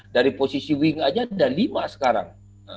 dari posisi wing aja ada lima sekarang